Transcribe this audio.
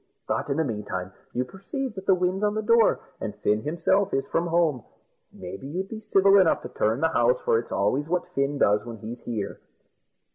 But, in the meantime, you perceive that the wind's on the door, and as Fin himself is from home, maybe you'd be civil enough to turn the house, for it's always what Fin does when he's here."